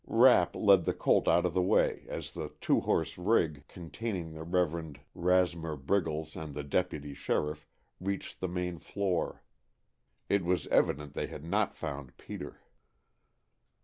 Rapp led the colt out of the way as the two horse rig, containing the Reverend Rasmer Briggles and the deputy sheriff, reached the main floor. It was evident they had not found Peter.